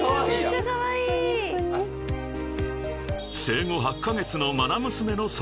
［生後８カ月の］